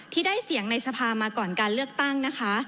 ที่ได้เสียงในสภามาก่อนการเลือกตั้งนะคะ